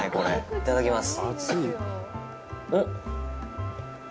いただきます。